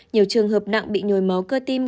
nhiều trường hợp nặng bị nhồi máu cơ tim